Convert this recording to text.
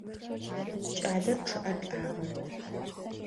Кӏалэр чъыӏэ лӏагъэ.